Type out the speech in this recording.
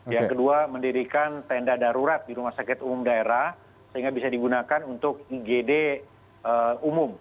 yang kedua mendirikan tenda darurat di rumah sakit umum daerah sehingga bisa digunakan untuk igd umum